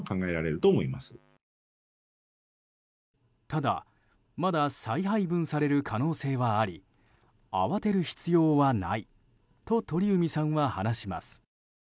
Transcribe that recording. ただ、まだ再配分される可能性はあり慌てる必要はないと鳥海さんは話します。